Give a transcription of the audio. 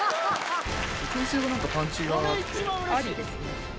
くん製はなんかパンチがあっありですね。